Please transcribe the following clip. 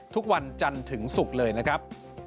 ทุกวันจันทร์ถึงศุกร์เลยนะครับ